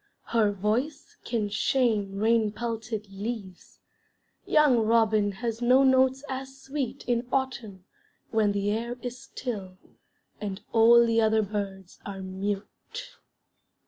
Her voice can shame rain pelted leaves; Young robin has no notes as sweet In autumn, when the air is still, And all the other birds are mute.